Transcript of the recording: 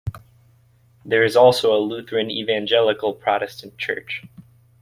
There is also a Lutheran-Evangelical Protestant church.